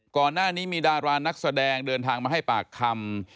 ก่อนหน้านี้มีดารานักแสดงเดินทางมาให้ปากคำ